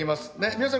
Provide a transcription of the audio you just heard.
皆さん